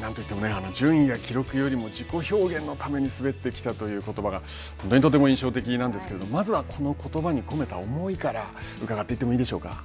何といっても、順位や記録よりも自己表現のために滑ってきたということばがとても印象的なんですけれどもまずはこのことばに込めた思いからうかがっていっていいでしょうか。